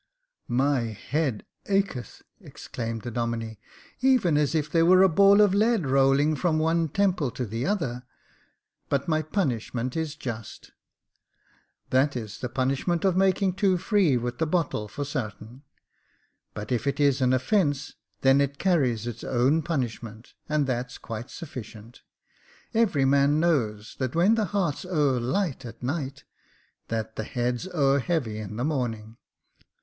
" My head acheth !" exclaimed the Domine, "even as if there were a ball of lead rolling from one temple to the other ; but my punishment is just." That is the punishment of making too free with the 126 Jacob Faithful bottle, for sartain ; but if it is an offence, then it carries its own punishment, and that's quite sufficient. Every man knows that when the heart's over light at night, that the head's over heavy in the morning.